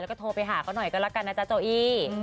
แล้วก็โทรไปหาเขาหน่อยก็แล้วกันนะจ๊ะโจอี้